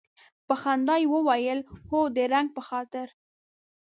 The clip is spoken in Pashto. په خندا یې وویل هو د رنګ په خاطر.